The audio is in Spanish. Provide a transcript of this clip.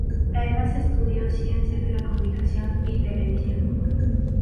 Además estudió Ciencias de la Comunicación y televisión.